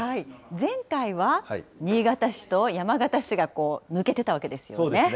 前回は新潟市と山形市が抜けてたわけですよね。